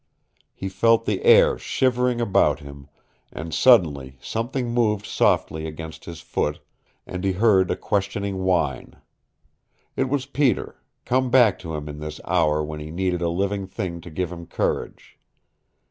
He felt the air shivering about him, and suddenly something moved softly against his foot, and he heard a questioning whine. It was Peter come back to him in this hour when he needed a living thing to give him courage.